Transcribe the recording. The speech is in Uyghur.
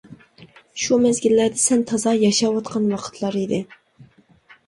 شۇ مەزگىللەردە سەن تازا ياشاۋاتقان ۋاقىتلار ئىدى.